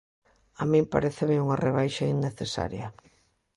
A min paréceme unha rebaixa innecesaria.